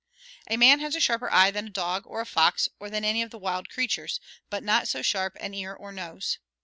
A man has a sharper eye than a dog, or a fox, or than any of the wild creatures, but not so sharp an ear or nose.